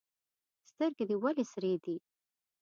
سترګي دي ولي سرې دي؟